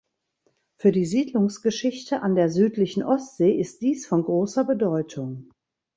Für die Siedlungsgeschichte an der südlichen Ostsee ist dies von großer Bedeutung.